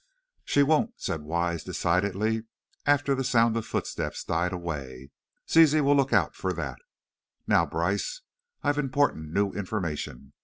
"She won't," said Wise, decidedly, after the sound of footsteps died away, "Zizi'll look out for that. Now, Brice, I've important new information.